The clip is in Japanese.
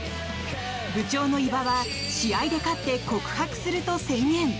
部長の伊庭は試合で勝って告白すると宣言。